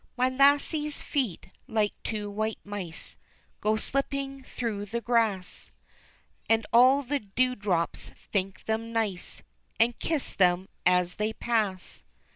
My lassie's feet like two white mice Go slipping through the grass, And all the dew drops think them nice, And kiss them as they pass.